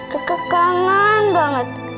kaka kangen banget